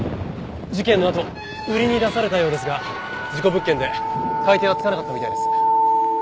事件のあと売りに出されたようですが事故物件で買い手はつかなかったみたいです。